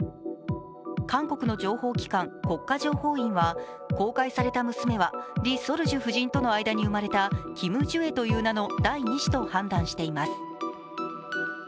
韓国の情報機関、国家情報院は公開された娘はリ・ソルジュ夫人との間に生まれたキム・ジュエという名の第２子と判断しています。